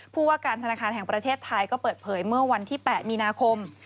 ผู้ว่าการธนาคารแห่งประเทศไทยก็เปิดเผยเมื่อวันที่๘มีนาคม